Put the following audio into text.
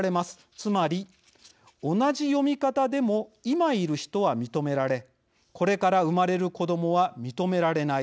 つまり同じ読み方でも今いる人は認められこれから生まれる子どもは認められない。